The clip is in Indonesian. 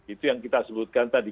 itu yang kita sebutkan tadi